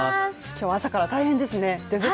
今日は朝から大変ですね